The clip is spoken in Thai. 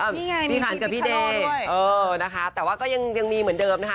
นี่ไงพี่คันกับพี่เดย์เออนะคะแต่ว่าก็ยังมีเหมือนเดิมนะคะ